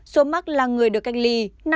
số mắc là người được cách ly